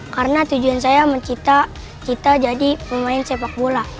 karena tujuan saya mencita cita jadi pemain sepak bola